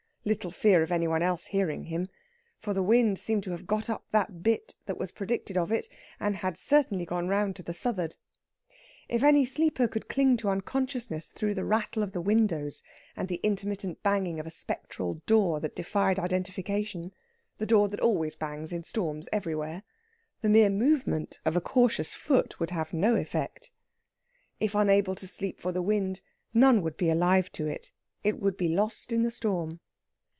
Little fear of any one else hearing him! For the wind seemed to have got up the bit that was predicted of it, and had certainly gone round to the suth'ard. If any sleeper could cling to unconsciousness through the rattle of the windows and the intermittent banging of a spectral door that defied identification the door that always bangs in storms everywhere the mere movement of a cautious foot would have no effect. If unable to sleep for the wind, none would be alive to it. It would be lost in the storm....